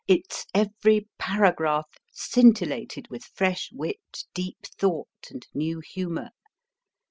Its every paragraph scintillated with fresh wit, deep thought, and new humour.